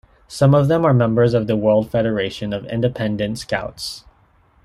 Some of them are members of the World Federation of Independent Scouts.